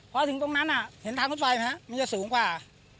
พอถึงตรงนั้นเห็นทางรถไฟไหมครับมันจะสูงกว่า